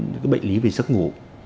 những cái bệnh lý về giấc ngủ